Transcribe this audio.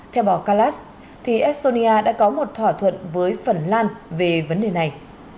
theo bà kalas thì estonia đã có một thỏa thuận với phần lan về vấn đề này